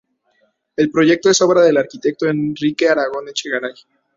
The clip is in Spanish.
El proyecto es obra del arquitecto Enrique Aragón Echegaray.